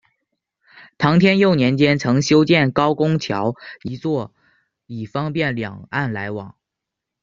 唐天佑年间曾修建高公桥一座以方便两岸来往。